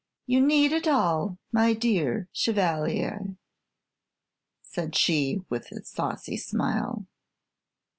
"You need it all, my dear chevalier," said she, with a saucy smile.